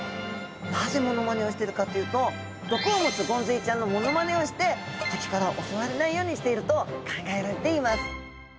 なぜモノマネをしてるかというと毒を持つゴンズイちゃんのモノマネをして敵から襲われないようにしていると考えられています。